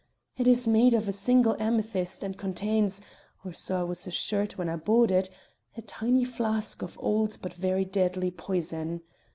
It is made of a single amethyst and contains or so I was assured when I bought it a tiny flask of old but very deadly poison.